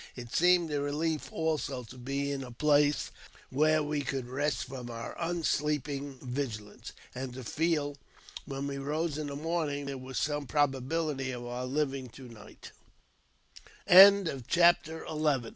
It seemed a relief, also, to be in a place where we could rest from our unsleeping vigilance, and to feel, when we rose in the morning, there was some probability of our